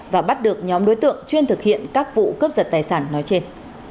và bắt được nhóm đối tượng chuyên thực hiện các vụ cướp giật tài sản nói trên